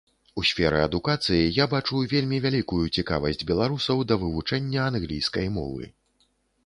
У сферы адукацыі я бачу вельмі вялікую цікавасць беларусаў да вывучэння англійскай мовы.